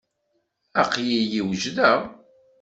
Aql-iyi wejdeɣ.